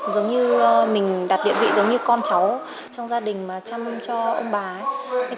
giống như mình đặt địa vị giống như con cháu trong gia đình mà chăm cho ông bà ấy